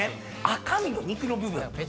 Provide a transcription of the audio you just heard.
赤身の肉の部分